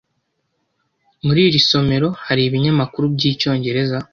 Muri iri somero hari ibinyamakuru byicyongereza?